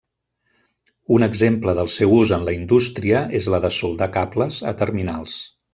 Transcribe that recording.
Un exemple del seu ús en la indústria és la de soldar cables a terminals.